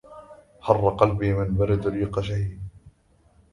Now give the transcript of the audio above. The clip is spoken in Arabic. حر قلبي من برد ريق شهي